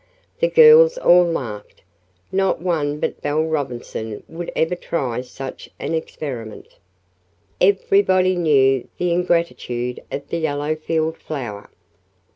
The girls all laughed. No one but Belle Robinson would ever try such an experiment. Everybody knew the ingratitude of the yellow field flower.